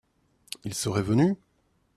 Ils seraient venus ?